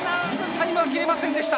タイムは切れませんでした。